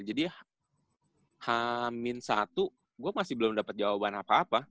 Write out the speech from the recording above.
jadi h satu gua masih belum dapet jawaban apa apa